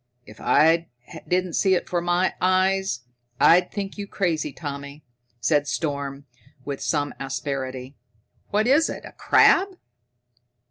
"If I didn't see it before my eyes, I'd think you crazy, Tommy," said Storm with some asperity. "What is it, a crab?"